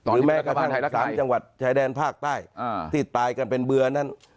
หรือแม้ทั้งสามจังหวัดชายแดนภาคใต้อ่าที่ตายกันเป็นเบื่อนั่น